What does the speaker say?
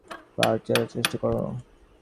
উদ্দীপনাময়ী বক্তৃতা যাতে করতে পার, তার চেষ্টা কর।